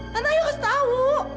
tante ayo kasih tahu